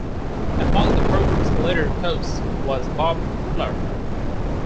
Among the program's later hosts was Bob Clark.